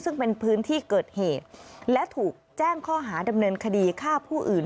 ซึ่งเป็นพื้นที่เกิดเหตุและถูกแจ้งข้อหาดำเนินคดีฆ่าผู้อื่น